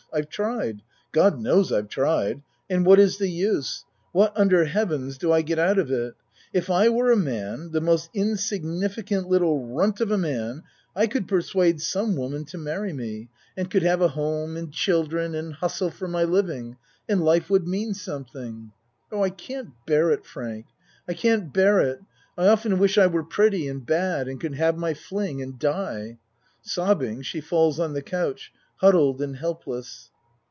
I've tried God knows I've tried and what is the use? What un der Heaven's do I get out of it? If I were a man the most insignificant little runt of a man I could persuade some woman to marry me and could have ACT III 87 a home and children and hustle for my living and life would mean something. Oh, I can't bear it, Frank. I can't bear it! I often wish I were pretty and bad and could have my fling and die. (Sob bing she falls on the couch huddled and helpless.)